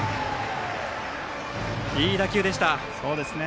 いい打球でした。